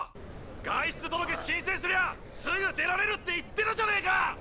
外出届申請すりゃすぐ出られるって言ってたじゃねぇか！